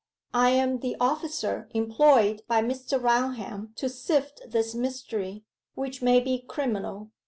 'I am the officer employed by Mr. Raunham to sift this mystery which may be criminal.